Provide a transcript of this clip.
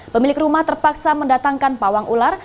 pemilik rumah terpaksa mendatangkan pawang ular